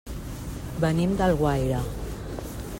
Venim d'Alguaire.